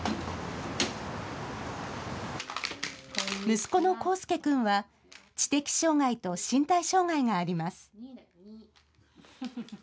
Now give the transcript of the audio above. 息子の康助君は知的障害と身体障害があります。